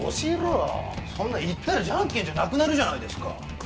そんなの言ったらじゃんけんじゃなくなるじゃないですか！